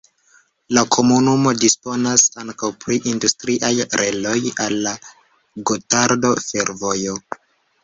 La komunumo disponas ankaŭ pri industriaj reloj al la Gotardo-Fervojo.